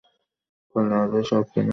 পারলে আজই সব কিনে নেব।